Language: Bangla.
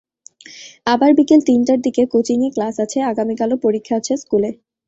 আবার বিকেল তিনটার দিকে কোচিংয়ে ক্লাস আছে আগামীকালও পরীক্ষা আছে স্কুলে।